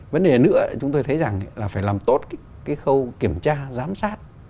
vấn đề nữa chúng tôi thấy rằng là phải làm tốt cái khâu kiểm tra giám sát